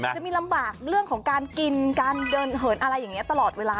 จะมีลำบากเรื่องของการกินการเดินเหินอะไรอย่างนี้ตลอดเวลา